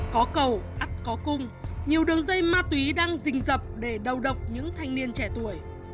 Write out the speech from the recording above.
có cầu ắt có cung nhiều đường dây ma túy đang rình dập để đầu độc những thanh niên trẻ tuổi